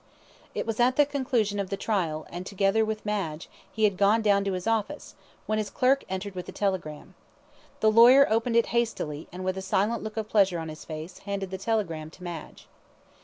It was at the conclusion of the trial; and, together with Madge, he had gone down to his office, when his clerk entered with a telegram. The lawyer opened it hastily, and, with a silent look of pleasure on his face, handed the telegram to Madge.